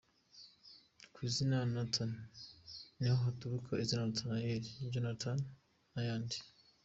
Ku izina Nathan niho haturuka izina Nathaniel, Jonathan n’ayandi.